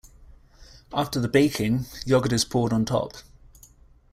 After the baking yogurt is poured on top.